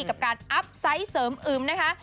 กับการอัพไซต์เสริมอึมนะคะ